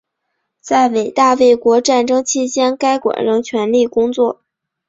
在伟大卫国战争期间该馆仍全力工作。